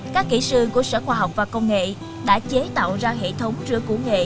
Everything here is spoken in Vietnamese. các kỹ sư của sở khoa học và công nghệ đã chế tạo ra hệ thống rửa củ nghệ